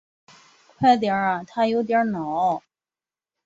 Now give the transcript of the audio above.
快点啊他有点恼